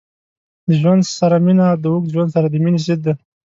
د ژوند سره مینه د اوږد ژوند سره د مینې ضد ده.